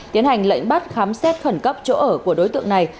tiến hành lệnh bắt khám xét khẩn cấp chỗ ở của đối tượng này